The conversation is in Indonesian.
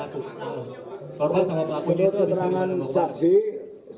korban sama pelakunya itu dari mana mau ke mana